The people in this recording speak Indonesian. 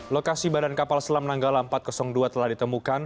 lokasi badan kapal selam nanggala empat ratus dua telah ditemukan